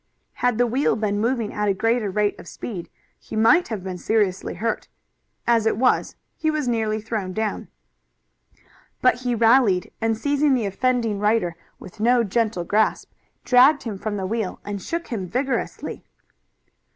Had the wheel been moving at a greater rate of speed, he might have been seriously hurt. As it was, he was nearly thrown down. But he rallied, and seizing the offending rider with no gentle grasp, dragged him from the wheel, and shook him vigorously.